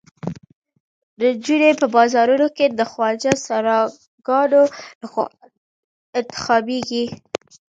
نجونې په بازارونو کې د خواجه سراګانو لخوا انتخابېدې.